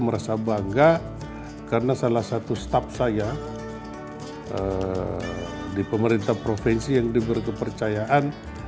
merasa bangga karena salah satu staff saya di pemerintah provinsi yang diberi kepercayaan